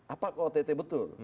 apakah ott betul